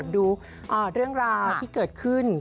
ดูเรื่องราวที่เกิดขึ้น